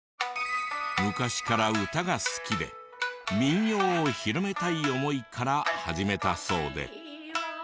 昔から歌が好きで民謡を広めたい思いから始めたそうで。